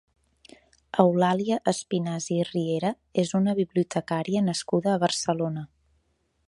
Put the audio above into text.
Eulàlia Espinàs i Riera és una bibliotecària nascuda a Barcelona.